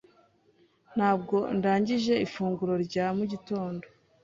Ntabwo ndangije ifunguro rya mu gitondo.